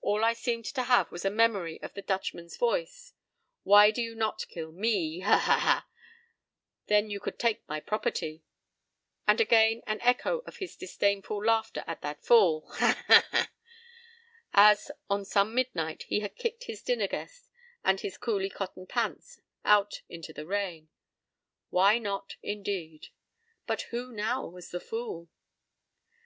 All I seemed to have was a memory of the Dutchman's voice: "Why do you not kill me? Ha ha ha! Then you could take my property." And again an echo of his disdainful laughter at that fool,"Ha ha ha!" as, on some midnight, he had kicked his dinner guest and his "coolie cotton pants" out into the rain.—Why not, indeed? But who now was the "fool?"